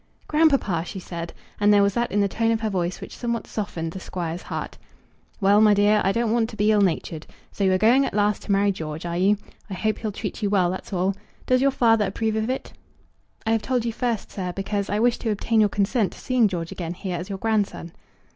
"Grandpapa!" she said; and there was that in the tone of her voice which somewhat softened the Squire's heart. "Well, my dear, I don't want to be ill natured. So you are going at last to marry George, are you? I hope he'll treat you well; that's all. Does your father approve of it?" "I have told you first, sir; because I wish to obtain your consent to seeing George again here as your grandson."